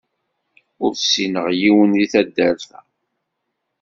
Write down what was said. Ur ssineɣ yiwen deg taddart-a.